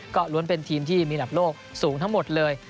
ก็ล้วนเป็นทีมที่มีอันดับโลกสูงทั้งหมดเลย